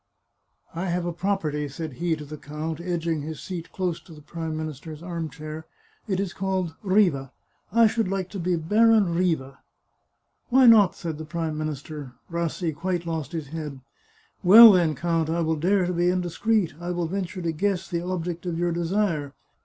" I have a property," said he to the count, edging his seat close to the Prime Minister's arm chair ;" it is called Riva. I should like to be Baron Riva." 311 The Chartreuse of Parma " Why not ?" said the Prime Minister. Rassi quite lost his head. " Well, then, count, I will dare to be indiscreet ; I will venture to guess the object of your desire.